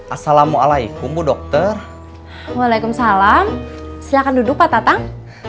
assalamualaikum bu dokter waalaikumsalam silahkan duduk pak tatang